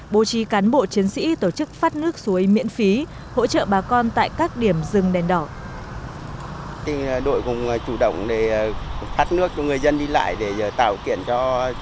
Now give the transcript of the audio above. bố trí cán bộ chiến sĩ tổ chức phát nước suối miễn phí hỗ trợ bà con tại các điểm rừng đen đỏ